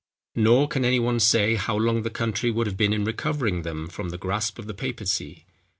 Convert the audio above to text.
Nor can any one say how long the country would have been in recovering them from the grasp of the papacy.